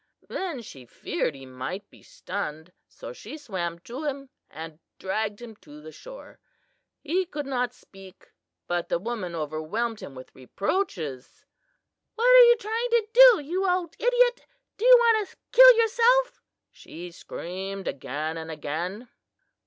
Then she feared he might be stunned, so she swam to him and dragged him to the shore. He could not speak, but the woman overwhelmed him with reproaches. "'What are you trying to do, you old idiot? Do you want to kill yourself?' she screamed again and again.